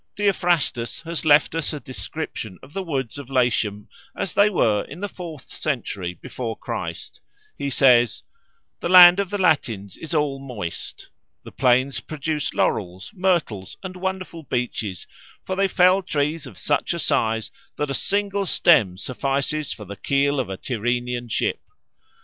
Theophrastus has left us a description of the woods of Latium as they were in the fourth century before Christ. He says: "The land of the Latins is all moist. The plains produce laurels, myrtles, and wonderful beeches; for they fell trees of such a size that a single stem suffices for the keel of a Tyrrhenian ship.